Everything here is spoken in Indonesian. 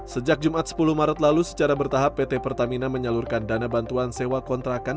sejak jumat sepuluh maret lalu secara bertahap pt pertamina menyalurkan dana bantuan sewa kontrakan